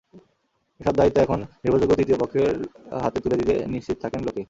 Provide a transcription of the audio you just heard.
এসব দায়িত্ব এখন নির্ভরযোগ্য তৃতীয় পক্ষের হাতে তুলে দিয়ে নিশ্চিন্ত থাকেন লোকে।